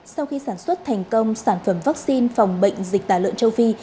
sau khi sản xuất thành công sản phẩm vaccine phòng bệnh dịch tả lợn châu phi